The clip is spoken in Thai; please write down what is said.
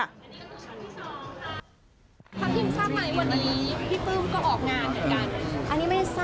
ทัพทิมทราบไหมวันนี้พี่ปลื้มก็ออกงานเหมือนกัน